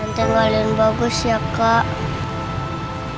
nanti ngaliin bagus ya kak